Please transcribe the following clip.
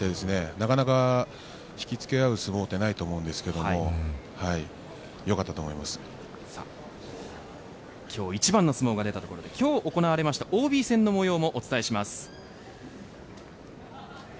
なかなか引きつけ合う相撲ってないと思うんですけど今日一番の相撲が出たところで今日行われましたＯＢ戦の模様もお伝えします。